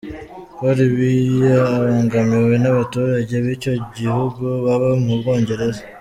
Paul Biya abangamiwe n’abaturage b’icyo gihugu baba mu Bwongereza.